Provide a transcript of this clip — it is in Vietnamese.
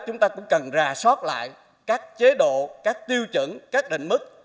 chúng ta cũng cần rà soát lại các chế độ các tiêu chuẩn các định mức